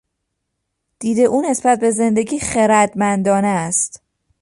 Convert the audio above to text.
دید او نسبت به زندگی خردمندانه است.